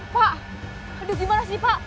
pak aduh gimana sih pak